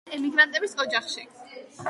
დაიბადა ემიგრანტების ოჯახში.